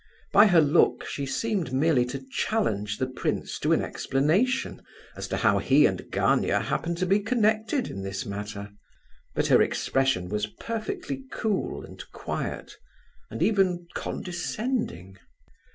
By her look she seemed merely to challenge the prince to an explanation as to how he and Gania happened to be connected in this matter. But her expression was perfectly cool and quiet, and even condescending.